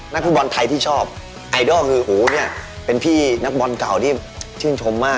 นักบอลไทยที่ชอบอัลด์อลเป็นนักบอลเก่าที่ชื่นชมมาก